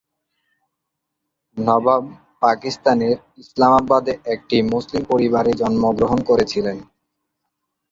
নবাব পাকিস্তানের ইসলামাবাদে একটি মুসলিম পরিবারে জন্মগ্রহণ করেছিলেন।